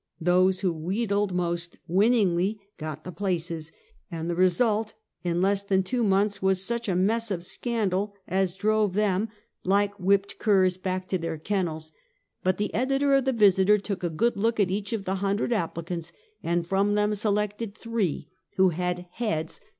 Those who wheedled most winningly got the places, and the result in less than two months was such a mess of scandal, as drove them^ like whipped Politics and Pbintees. 157 curs, back to their kennels; but the editor of the Vis iter took a good look at each of the hundred appli cants, and from them selected three, who had heads?